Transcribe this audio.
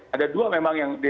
ada dua memang yang